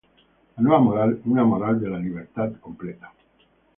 Una nueva moral, una moral de la libertad entera.